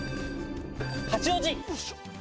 八王子。